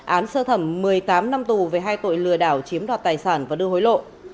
án sơ thẩm một mươi tám năm tù về hai tội lừa đảo chiếm đoạt tài sản và đưa hối lộ